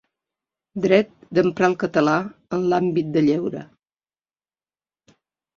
Dret d’emprar el català en l’àmbit de lleure.